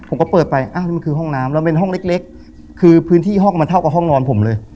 ผมก็เปิดไปอ้าวนี่มันคือห้องน้ำแล้วเป็นห้องเล็กคือพื้นที่ห้องมันเท่ากับห้องนอนผมเลย